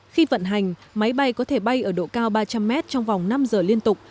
khi vận hành máy bay có thể bay ở độ cao ba trăm linh mét trong vòng năm giờ liên tục